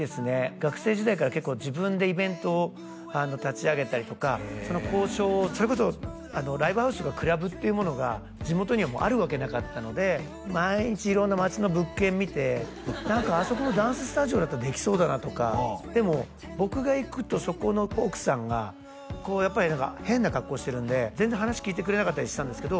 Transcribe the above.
学生時代から結構自分でイベントを立ち上げたりとか交渉それこそライブハウスとかクラブっていうものが地元にはあるわけなかったので毎日色んな街の物件見て「何かあそこのダンススタジオだったらできそうだな」とかでも僕が行くとそこの奥さんがこうやっぱり何か変な格好してるんで全然話聞いてくれなかったりしたんですけど